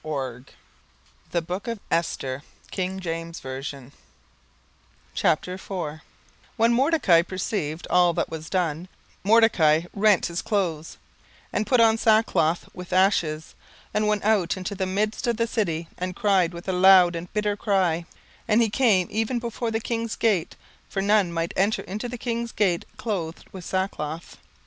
17:004:001 When Mordecai perceived all that was done, Mordecai rent his clothes, and put on sackcloth with ashes, and went out into the midst of the city, and cried with a loud and a bitter cry; 17:004:002 And came even before the king's gate: for none might enter into the king's gate clothed with sackcloth.